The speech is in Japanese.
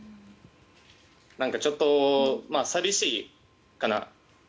ちょっと寂しいかな。